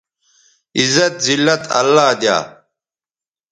عزت، زلت اللہ دیا